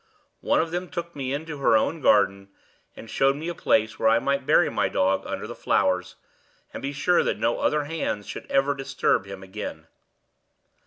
One of them took me into her own garden, and showed me a place where I might bury my dog under the flowers, and be sure that no other hands should ever disturb him again.